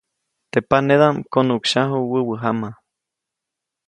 Teʼ panedaʼm konuʼksyaju wäwä jama.